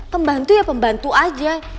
pembantu ya pembantu aja